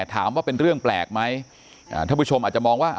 ถามว่าเป็นเรื่องแปลกไหมอ่าท่านผู้ชมอาจจะมองว่า